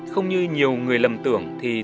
không như nhiều người lầm tưởng thì